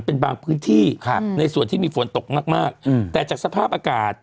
เป็นบางพื้นที่ครับในส่วนที่มีฝนตกมากมากอืมแต่จากสภาพอากาศ